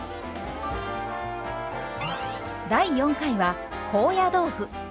第４回は高野豆腐。